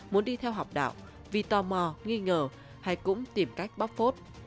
muốn đi theo học đạo vì tò mò nghi ngờ hay cũng tìm cách bóc phốt